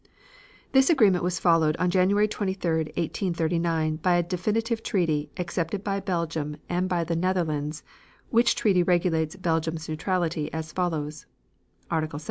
This agreement was followed on January 23, 1839, by a definitive treaty, accepted by Belgium and by the Netherlands, which treaty regulates Belgium's neutrality as follows: Article 7.